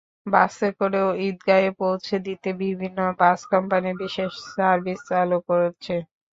বাসে করেও ঈদগাহে পৌঁছে দিতে বিভিন্ন বাস কোম্পানি বিশেষ সার্ভিস চালু করছে।